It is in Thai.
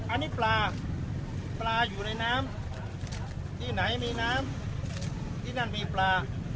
อันนี้ปลาปลาอยู่ในน้ำที่ไหนมีน้ำที่นั่นมีปลา